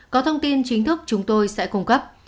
có thông tin chính thức chúng tôi sẽ cung cấp